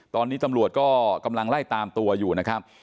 ตอนนี้ตำรวจก็กำลังไล่ตามตัวอยู่นะครับ